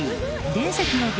伝説のＤ